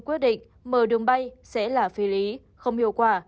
quyết định mở đường bay sẽ là phi lý không hiệu quả